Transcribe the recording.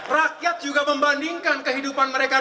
rakyat juga membandingkan kehidupan mereka